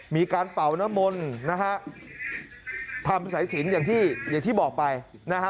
มีการเป่านมลนะฮะทำสายสินอย่างที่บอกไปนะฮะ